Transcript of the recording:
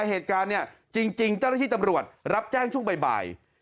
เหตุการณ์เนี่ยจริงเจ้าหน้าที่ตำรวจรับแจ้งช่วงบ่าย